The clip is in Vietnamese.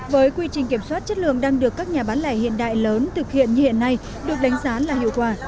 với quy trình kiểm soát chất lượng đang được các nhà bán lẻ hiện đại lớn thực hiện như hiện nay được đánh giá là hiệu quả